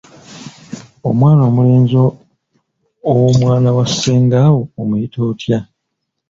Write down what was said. Omwana omulenzi ow’omwana wa ssenga wo omuyita otya?